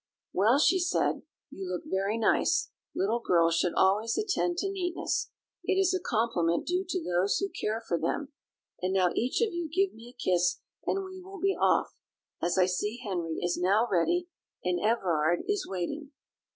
"Well," she said, "you look very nice; little girls should always attend to neatness; it is a compliment due to those who care for them; and now each of you give me a kiss, and we will be off, as I see Henry is now ready, and Everard is waiting."